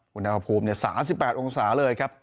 อุณหภูมิ๓๘องศาเลยครับ